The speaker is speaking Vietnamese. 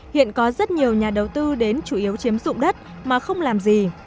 hiện có rất nhiều nhà đầu tư đến chủ yếu chiếm dụng đất mà không làm gì